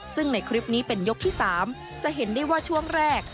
ซึ่งในคลิปนี้เป็นยกที่๓จะเห็นได้ว่าช่วงแรก